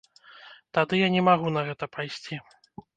Тады я не магу на гэта пайсці.